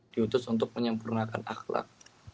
diutus untuk menyempurnakan akhlak